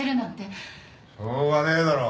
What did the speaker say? しょうがねえだろ。